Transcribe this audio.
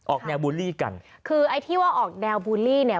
แนวบูลลี่กันคือไอ้ที่ว่าออกแนวบูลลี่เนี่ย